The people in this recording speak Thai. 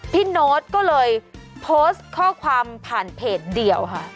โน๊ตก็เลยโพสต์ข้อความผ่านเพจเดียวค่ะ